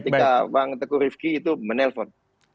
ketika bang teku rifki itu menelfon